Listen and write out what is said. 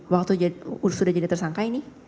waktu sudah jadi tersangka ini